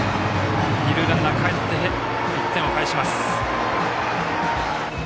二塁ランナーがかえって１点を返します。